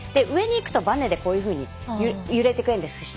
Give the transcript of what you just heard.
上に行くとバネでこういうふうに揺れてくれるんです。